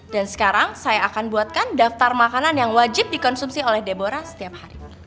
dan sekarang saya akan buatkan daftar makanan yang wajib dikonsumsi oleh deborah setiap hari